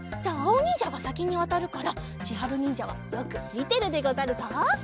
おにんじゃがさきにわたるからちはるにんじゃはよくみてるでござるぞ。